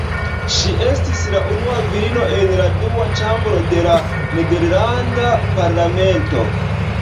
Ŝi estis la unua virino en la Dua Ĉambro de la nederlanda parlamento.